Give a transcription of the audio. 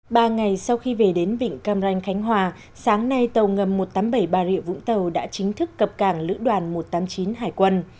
ba ngày sau khi về đến vịnh cam ranh khánh hòa sáng nay tàu ngầm một trăm tám mươi bảy bà rịa vũng tàu đã chính thức cập cảng lữ đoàn một trăm tám mươi chín hải quân